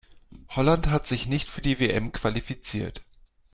Holland hat sich nicht für die WM qualifiziert.